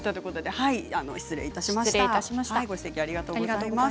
ご指摘ありがとうございます。